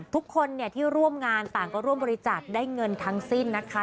ทุกคนที่ร่วมงานต่างก็ร่วมบริจาคได้เงินทั้งสิ้นนะคะ